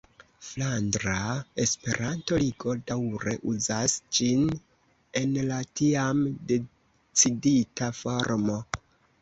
Flandra Esperanto-Ligo daŭre uzas ĝin en la tiam decidita formo.